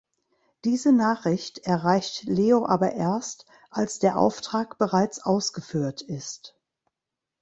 Diese Nachricht erreicht Leo aber erst, als der Auftrag bereits ausgeführt ist.